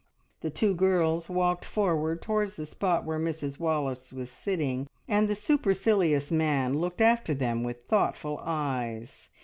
The two girls walked forward together towards the spot where Mrs Wallace was sitting, and the supercilious man looked after them with thoughtful eyes.